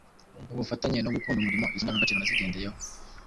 ubufatanye no gukunda umurimo. Izo ndangagaciro nazigendeyeho